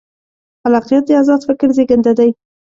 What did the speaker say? خلاقیت د ازاد فکر زېږنده دی.